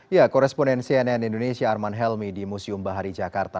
ya koresponen cnn indonesia arman helmi di museum bahari jakarta